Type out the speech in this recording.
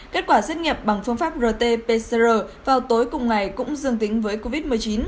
kết quả xét nghiệm bằng phương pháp rt pcr vào tối cùng ngày cũng dương tính với covid một mươi chín